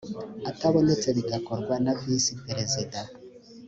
atabonetse bigakorwa na visi perezida